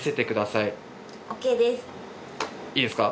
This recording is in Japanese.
いいですか？